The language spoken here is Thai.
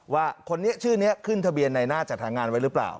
ว่าคนนี้ชื่อนี้ขึ้นทะเบียนในหน้าจัดหางานไว้หรือเปล่า